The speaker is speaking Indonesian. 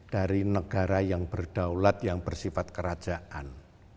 dari negara yang berdaulat yang bersifat kerajaan